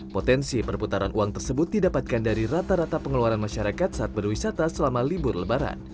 potensi perputaran uang tersebut didapatkan dari rata rata pengeluaran masyarakat saat berwisata selama libur lebaran